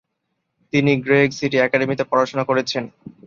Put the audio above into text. তিনি Greg city একাডেমিতে পড়াশোনা করেছেন।